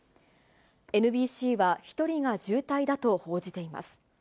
ＮＢＣは１人が重体だと報じています。